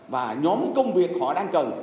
và nhóm công việc họ đang cần